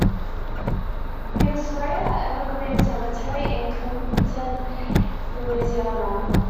He was buried at Evergreen Cemetery in Kingston, Louisiana.